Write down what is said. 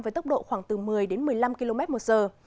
với tốc độ khoảng từ một mươi đến một mươi năm km một giờ